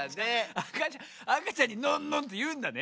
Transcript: あかちゃんあかちゃんに「ノンノン」っていうんだね。